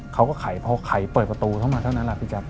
เค้าก็ไข่พอไข่เปิดประตูเค้ามาเท่านั้นละพี่กับ